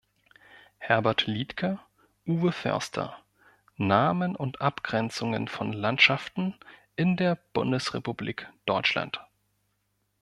Herbert Liedtke, Uwe Förster: "Namen und Abgrenzungen von Landschaften in der Bundesrepublik Deutschland.